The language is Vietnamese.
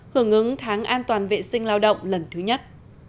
hưởng ứng tháng an toàn vệ sinh lao động lần thứ nhất